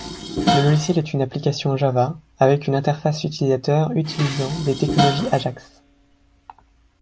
Le logiciel est une application Java, avec une interface utilisateur utilisant des technologies Ajax.